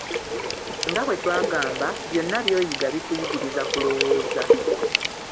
Nga bwe twagamba, byonna by'oyiga, bikuyigiriza kulowooza.